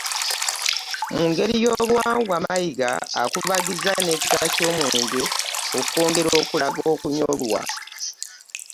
Mu ngeri y'obuwangwa, Mayiga akubagizza n'ekita ky'omwenge okwongera okulaga okunyolwa